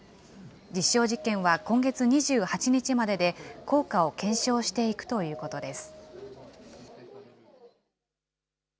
実証実験は今月２８日までで、効果を検証していくということです。